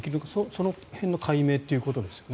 その辺の解明ということですね。